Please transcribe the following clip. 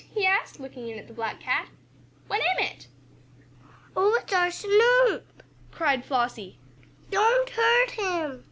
he asked, looking in at the black cat. "What am it?" "Oh, it's our Snoop!" cried Flossie. "Don't hurt him!"